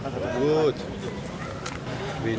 pembelian untuk bandung